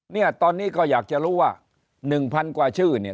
เนี่ยตอนนี้ก็อยากจะรู้ว่า๑๐๐กว่าชื่อเนี่ย